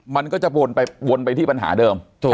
มันก็จะวนไปที่ปัญหาเดิม